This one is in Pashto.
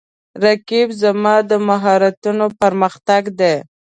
رقیب زما د مهارتونو پر مختګ دی